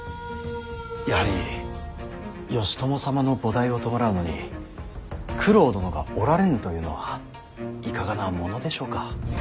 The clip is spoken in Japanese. やはり義朝様の菩提を弔うのに九郎殿がおられぬというのはいかがなものでしょうか。